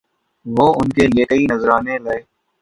وہ ان کے لیے کئی نذرانے لائے